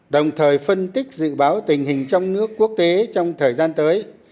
đồng thời phân tích dự báo tình hình trong nước quốc tế trong thời gian tới